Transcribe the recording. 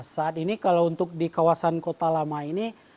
saat ini kalau untuk di kawasan kota lama ini